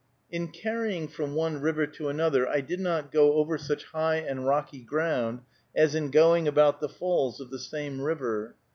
In carrying from one river to another, I did not go over such high and rocky ground as in going about the falls of the same river.